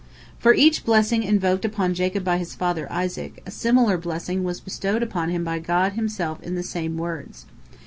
For each blessing invoked upon Jacob by his father Isaac, a similar blessing was bestowed upon him by God Himself in the same words.